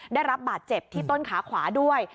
ได้รับบาดเจ็บที่ต้นขาขวาด้วย